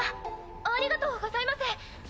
ありがとうございます。